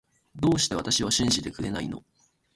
どうして私を信じてくれないの